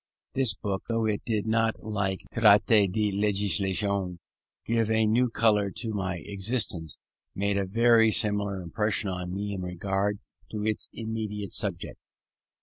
This book, though it did not, like the Traité de Législation, give a new colour to my existence, made a very similar impression on me in regard to its immediate subject.